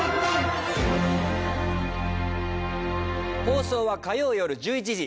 放送は火曜夜１１時。